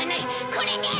これで！